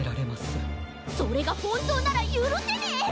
それがほんとうならゆるせねえ！